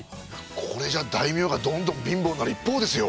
これじゃ大名がどんどんびんぼうになる一方ですよ。